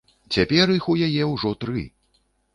Цяпер іх у яе ўжо тры!